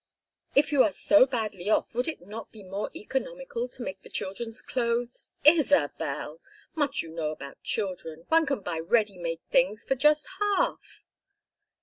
"If you are so badly off would it not be more economical to make the children's clothes " "Isabel! Much you know about children! One can buy ready made things for just half."